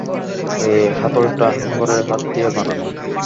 এই হাতলটা হাঙ্গরের হাড় দিয়ে বানানো।